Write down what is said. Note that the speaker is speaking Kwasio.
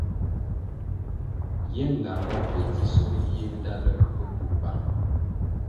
Ye ngambala pe dzisoh yiéh ndtaluer o bur bang.